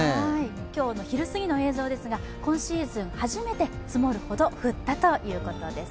今日の昼過ぎの映像ですが今シーズン初めて積もるほど降ったということです。